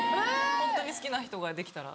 ホントに好きな人ができたら。